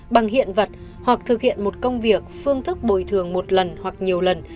bằng hiện vật hoặc thực hiện một công việc phương thức bồi thường một lần hoặc nhiều lần